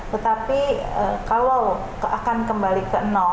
tetapi kalau akan kembali ke nol